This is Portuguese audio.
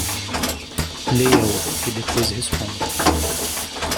Leia-o e depois responda.